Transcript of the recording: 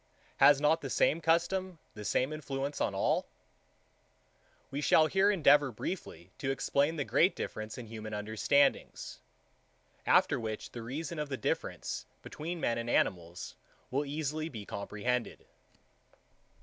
Has not the same custom the same influence on all? We shall here endeavour briefly to explain the great difference in human understandings: After which the reason of the difference between men and animals will easily be comprehended.